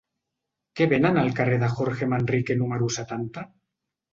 Què venen al carrer de Jorge Manrique número setanta?